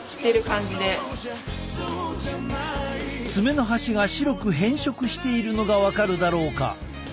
爪の端が白く変色しているのが分かるだろうか？